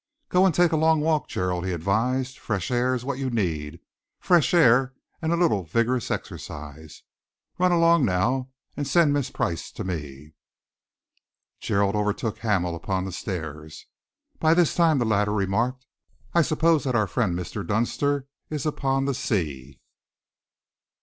"Go and take a long walk, Gerald," he advised. "Fresh air is what you need, fresh air and a little vigorous exercise. Run along now and send Miss Price to me." Gerald overtook Hamel upon the stairs. "By this time," the latter remarked, "I suppose that our friend Mr. Dunster is upon the sea."